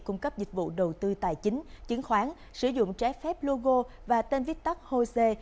cung cấp dịch vụ đầu tư tài chính chứng khoán sử dụng trái phép logo và tên viết tắt hồ sê